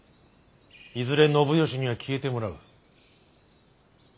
いずれ信義には消えてもらう。